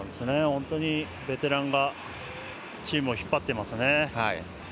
本当にベテランがチームを引っ張っていますね。